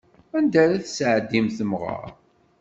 Anda ara tesɛeddim temɣeṛ?